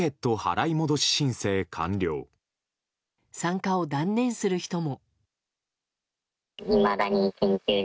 参加を断念する人も。